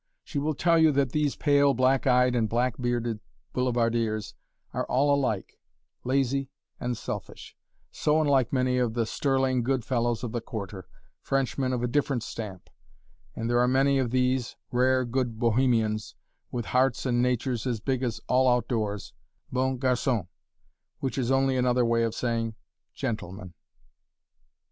She will tell you that these pale, black eyed, and black bearded boulevardiers are all alike lazy and selfish; so unlike many of the sterling, good fellows of the Quarter Frenchmen of a different stamp, and there are many of these rare, good Bohemians, with hearts and natures as big as all out doors "bons garçons," which is only another way of saying "gentlemen."